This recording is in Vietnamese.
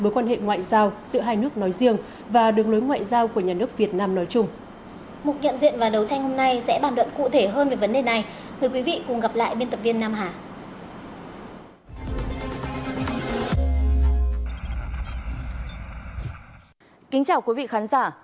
kính chào quý vị khán giả